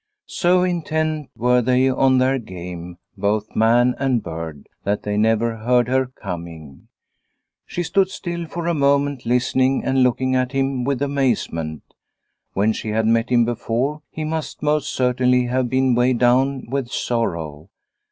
So intent were they on their game, both man and bird, that they never heard her coming. She stood still for a moment listening and looking at him with amazement. When she had met him before, he must most certainly have been weighed down with sorrow.